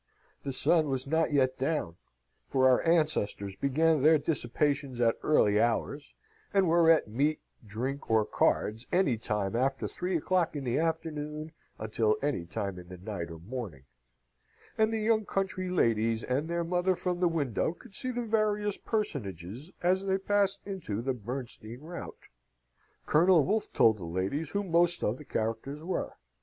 The sun was not yet down (for our ancestors began their dissipations at early hours, and were at meat, drink, or cards, any time after three o'clock in the afternoon until any time in the night or morning), and the young country ladies and their mother from their window could see the various personages as they passed into the Bernstein rout. Colonel Wolfe told the ladies who most of the characters were.